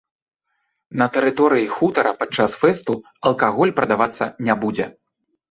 На тэрыторыі хутара падчас фэсту алкаголь прадавацца не будзе.